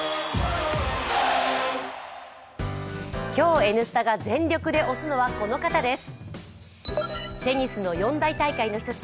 今日「Ｎスタ」が全力で推すのはこの方です。